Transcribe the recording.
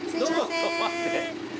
ちょっと待って。